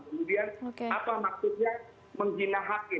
kemudian apa maksudnya menghina hakim